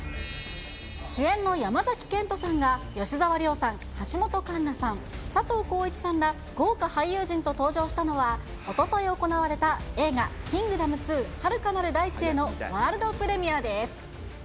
主演の山崎賢人さんが吉沢亮さん、橋本環奈さん、佐藤浩市さんら、豪華俳優陣と登場したのは、おととい行われた映画、キングダム２遥かなる大地へのワールドプレミアです。